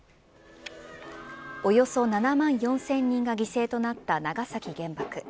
およそ７万４０００人が犠牲となった長崎原爆。